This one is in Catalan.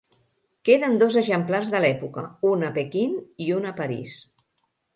Queden dos exemplars de l'època, un a Pequín i un a París.